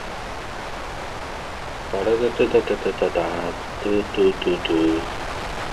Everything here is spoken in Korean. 뒤에서 인력거! 하고 부르는 소리가 난다.